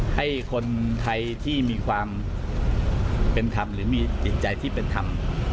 ให้คนไทยที่มีความเป็นธรรมหรือมีจิตใจที่เป็นธรรม